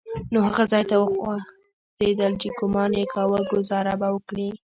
نو هغه ځای ته وخوځېدل چې ګومان يې کاوه ګوزاره به وکړي.